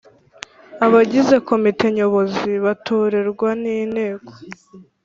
Abagize Komite nyobozi batorerwa n ‘Inteko.